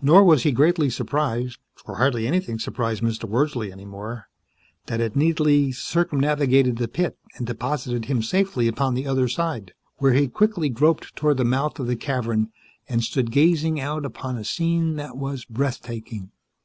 Nor was he greatly surprised (for hardly anything surprised Mr. Wordsley any more) that it neatly circumnavigated the pit and deposited him safely upon the other side, where he quickly groped toward the mouth of the cavern and stood gazing out upon a scene that was breathtaking.